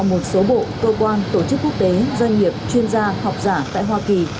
một số bộ cơ quan tổ chức quốc tế doanh nghiệp chuyên gia học giả tại hoa kỳ